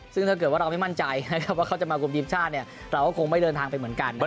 ซึ่งถ้าเกิดว่าเราไม่มั่นใจนะครับว่าเขาจะมากลุ่มทีมชาติเนี่ยเราก็คงไม่เดินทางไปเหมือนกันนะครับ